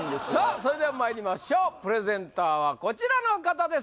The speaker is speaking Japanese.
それではまいりましょうプレゼンターはこちらの方です